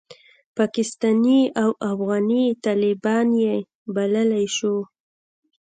پاکستاني او افغاني طالبان یې بللای شو.